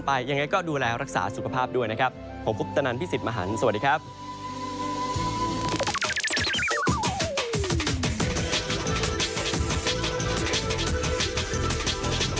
โปรดติดตามตอนต่อไป